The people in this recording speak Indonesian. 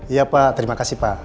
iya pak terima kasih pak